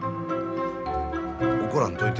怒らんといて。